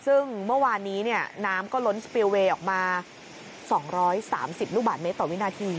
ซึ่งเมื่อวานนี้เนี่ยน้ำก็ล้นสเปียลเวย์ออกมาสองร้อยสามสิบลูกบาทเมตรต่อวินาที